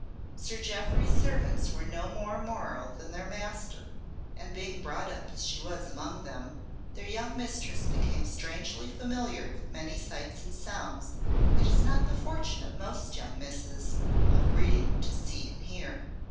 Sir Jeoffry's servants were no more moral than their master, and being brought up as she was among them, their young mistress became strangely familiar with many sights and sounds it is not the fortune of most young misses of breeding to see and hear.